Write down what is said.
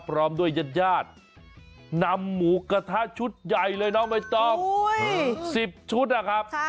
พร้อมด้วยญาติญาตินำหมูกระทะชุดใหญ่เลยน้องไม่ต้อง๑๐ชุดนะครับ